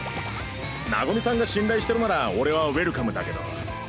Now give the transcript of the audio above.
和さんが信頼してるなら俺はウエルカムだけど。